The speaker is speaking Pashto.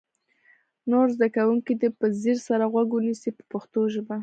نور زده کوونکي دې په ځیر سره غوږ ونیسي په پښتو ژبه.